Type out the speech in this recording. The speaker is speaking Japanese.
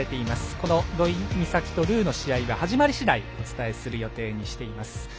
この土居美咲とルーの試合は始まり次第お伝えする予定にしています。